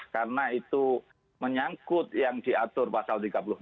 karena itu menyangkut yang diatur pasal tiga puluh enam